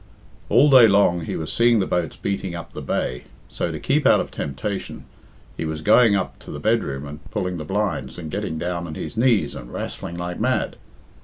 "All day long he was seeing the boats beating up the bay, so, to keep out of temptation, he was going up to the bedroom and pulling the blind and getting down on his knees and wrastling like mad.